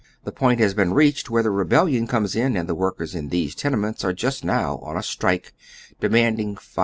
The point has been reached where the rebellion comes in, and the workers in these tenements are just now on a strike, demanding $5.